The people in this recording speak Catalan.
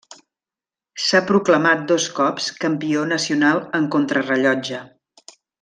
S'ha proclamat dos cops campió nacional en contrarellotge.